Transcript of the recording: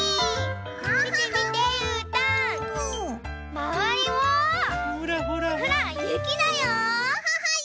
まわりもほらゆきだよ！